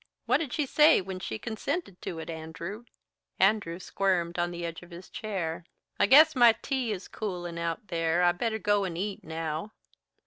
What did she say when she consented to it, Andrew?" Andrew squirmed on the edge of his chair. "I guess my tea is coolin' out there. I'd better go and eat, now."